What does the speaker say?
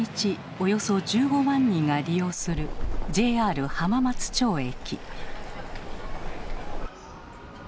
およそ１５万人が利用するＪＲ浜松町駅。